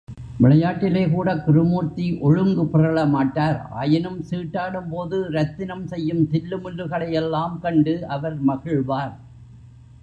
விளையாட்டிலேகூடக் குருமூர்த்தி ஒழுங்கு பிறழ மாட்டார் ஆயினும் சீட்டாடும்போது ரத்தினம் செய்யும் தில்லுமுல்லுகளையெல்லாம் கண்டு அவர் மகிழ்வார்.